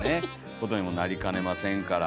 ことにもなりかねませんから。